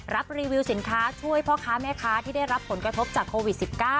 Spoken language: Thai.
รีวิวสินค้าช่วยพ่อค้าแม่ค้าที่ได้รับผลกระทบจากโควิด๑๙